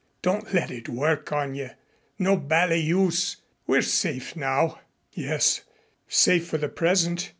Don't let it work on you. No bally use. We're safe now." "Yes safe for the present.